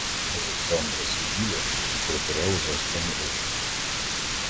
Олександра сиділа і протирала заспані очі.